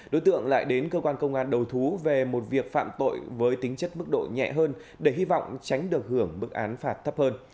đối tượng lại đến cơ quan công an đầu thú về một việc phạm tội với tính chất mức độ nhẹ hơn để hy vọng tránh được hưởng mức án phạt thấp hơn